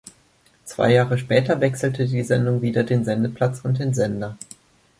Zwei Jahre später wechselte die Sendung wieder den Sendeplatz und den Sender.